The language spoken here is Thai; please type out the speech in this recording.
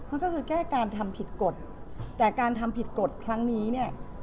มันก็คือแก้การทำผิดกฎแต่การทำผิดกฎครั้งนี้เนี่ย